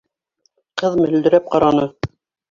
Ҡыҙ мөлдөрәп ҡараны.